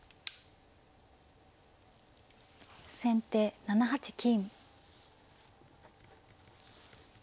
先手７八金。